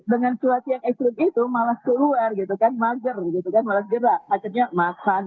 dengan cuaca yang ekstrim itu malah keluar gitu kan mager gitu kan malah gerak akhirnya makan